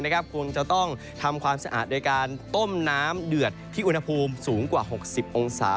คงจะต้องทำความสะอาดโดยการต้มน้ำเดือดที่อุณหภูมิสูงกว่า๖๐องศา